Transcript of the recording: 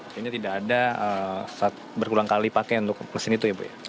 jadi tidak ada berulang kali pakai untuk mesin itu ya bu